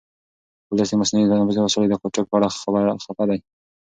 ولس د مصنوعي تنفس د وسایلو د قاچاق په اړه خفه دی.